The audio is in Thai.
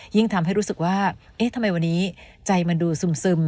ยิ่งทำให้รู้สึกว่าเอ๊ะทำไมวันนี้ใจมันดูซึม